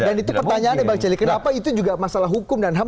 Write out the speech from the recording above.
dan itu pertanyaannya bang celik kenapa itu juga masalah hukum dan ham